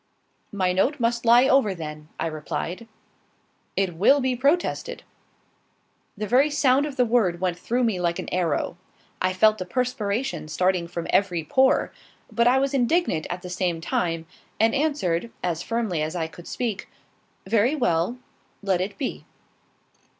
"My note must lie over, then," I replied. "It will be protested." The very sound of the word went through me like an arrow. I felt the perspiration starting from every pore; but I was indignant at the same time, and answered, as firmly as I could speak "Very well; let it be."